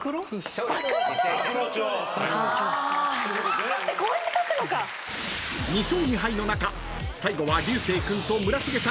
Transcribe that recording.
［２勝２敗の中最後は流星君と村重さんの天然対決］